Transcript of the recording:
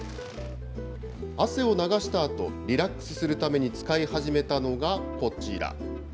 汗を流したあと、リラックスするために使い始めたのがこちら。